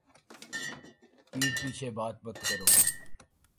پِیٹھ پیچھے بات مت کرو